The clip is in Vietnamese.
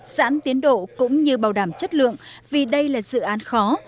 giãn tiến độ cũng như bảo đảm chất lượng vì đây là dự án khó